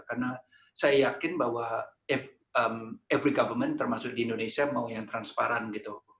karena saya yakin bahwa every government termasuk di indonesia mau yang transparan gitu